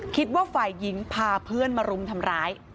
คิดว่าฝ่ายหญิงพาเพื่อนมารุมทำร้าย